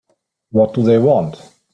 What do they want?